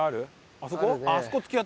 あそこ？